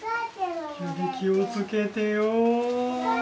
指気を付けてよ。